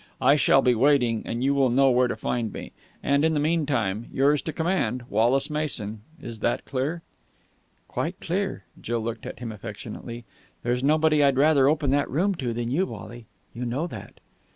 I shall be waiting, and you will know where to find me. And, in the meantime, yours to command, Wallace Mason. Is that clear?" "Quite clear." Jill looked at him affectionately. "There's nobody I'd rather open that room to than you, Wally. You know that."